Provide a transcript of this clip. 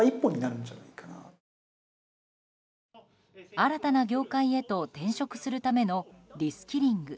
新たな業界へと転職するためのリスキリング。